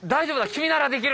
君ならできる！